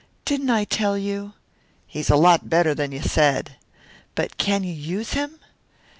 "Didn't I tell you?" "He's a lot better than you said." "But can you use him?"